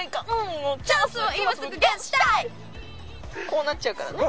こうなっちゃうからね。